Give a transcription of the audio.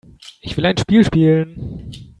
Ich will ein Spiel spielen.